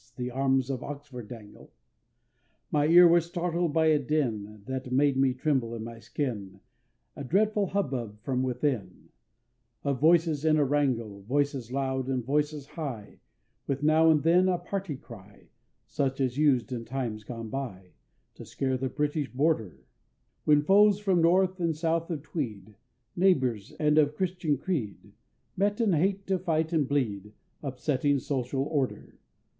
The Arms of Oxford dangle! My ear was startled by a din, That made me tremble in my skin, A dreadful hubbub from within, Of voices in a wrangle Voices loud, and voices high, With now and then a party cry, Such as used in times gone by To scare the British border; When foes from North and South of Tweed Neighbors and of Christian creed Met in hate to fight and bleed, Upsetting Social Order.